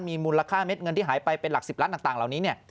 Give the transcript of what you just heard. มีมูลค่าเม็ดเงินที่หายไปเป็นหลัก๑๐ล้านต่างเหล่านี้เนี่ย